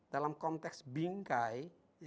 dalam konteks bingkai